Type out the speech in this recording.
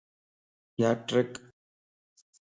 ياٽرک